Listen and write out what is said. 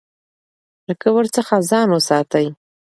له کبر څخه ځان وساتئ.